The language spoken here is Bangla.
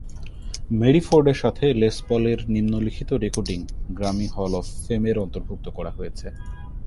মেরি ফোর্ডের সাথে লেস পলের নিম্নলিখিত রেকর্ডিং গ্র্যামি হল অফ ফেমের অর্ন্তভুক্ত করা হয়েছে।